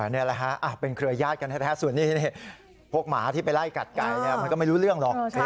นี่แหละฮะเป็นเครือญาติกันแท้ส่วนนี้พวกหมาที่ไปไล่กัดไก่มันก็ไม่รู้เรื่องหรอก